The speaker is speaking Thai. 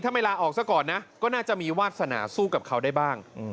ถ้าไม่ลาออกซะก่อนนะก็น่าจะมีวาสนาสู้กับเขาได้บ้าง